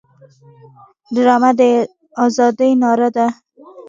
ډرامه د ازادۍ ناره ده